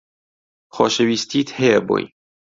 خۆشەویستیت هەیە بۆی